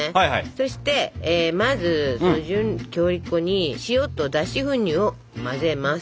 そしてまず準強力粉に塩と脱脂粉乳を混ぜます。